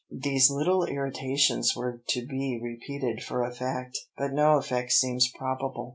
These little irritations were to be repeated for effect, but no effect seems probable.